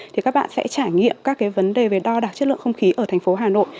thì các bạn sẽ trải nghiệm các vấn đề về đo đạt chất lượng không khí ở thành phố hà nội